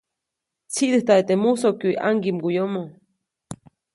Tsiʼdäjtade teʼ musokyuʼy ʼaŋgiʼmguʼyomo.